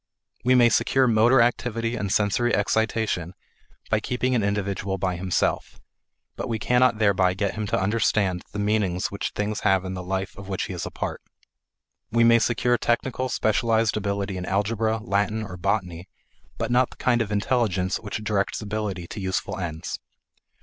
We may secure motor activity and sensory excitation by keeping an individual by himself, but we cannot thereby get him to understand the meaning which things have in the life of which he is a part. We may secure technical specialized ability in algebra, Latin, or botany, but not the kind of intelligence which directs ability to useful ends.